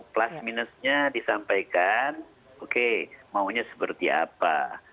plus minusnya disampaikan oke maunya seperti apa